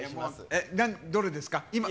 どれですか？